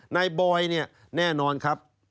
ในไบล์แน่นอนครับ